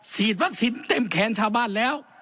ฉีดวัคซีนเต็มแขนชาวบ้านแล้ว